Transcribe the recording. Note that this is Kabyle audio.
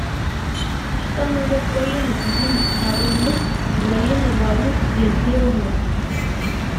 Teḥṣa ula s wayen itezzin deg uqerru-ines d wayen iḍarrun di lbiru-ines.